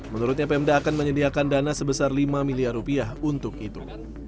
menurutnya pemda akan menyediakan dana sebesar lima miliar rupiah untuk itu